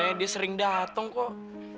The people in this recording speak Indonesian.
biasanya dia sering dateng kok